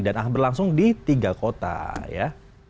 dan berlangsung di tiga kota ya